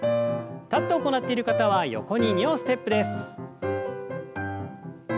立って行っている方は横に２歩ステップです。